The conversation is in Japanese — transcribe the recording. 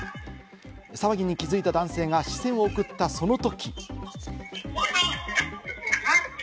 騒ぎに気付いた男性が視線を送ったその時。